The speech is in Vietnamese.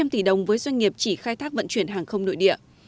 ba trăm linh tỷ đồng với doanh nghiệp chỉ khai thác vận chuyển hàng không nội địa